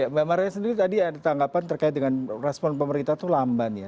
mbak maria sendiri tadi ada tanggapan terkait dengan respon pemerintah itu lamban ya